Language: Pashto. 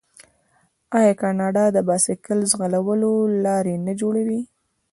آیا کاناډا د بایسکل ځغلولو لارې نه جوړوي؟